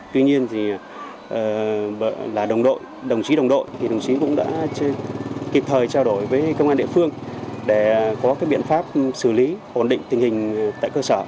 tuy nhiên thì là đồng đội đồng chí đồng đội thì đồng chí cũng đã kịp thời trao đổi với công an địa phương để có cái biện pháp xử lý ổn định tình hình tại cơ sở